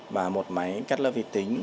và một máy cắt lớp vi tính ba trăm tám mươi